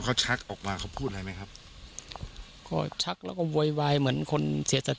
เขาชักออกมาเขาพูดอะไรไหมครับก็ชักแล้วก็โวยวายเหมือนคนเสียสัต